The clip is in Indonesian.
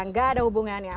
nggak ada hubungannya